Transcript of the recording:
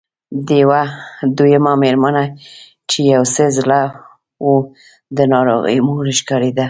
دويمه مېرمنه چې يو څه زړه وه د ناروغې مور ښکارېده.